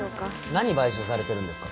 何買収されてるんですか。